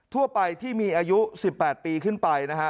ทั่วไปที่มีอายุ๑๘ปีขึ้นไปนะฮะ